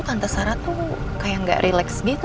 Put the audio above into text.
tante sarah tuh kayak gak relax gitu